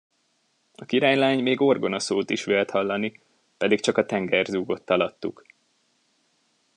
A királylány még orgonaszót is vélt hallani, pedig csak a tenger zúgott alattuk.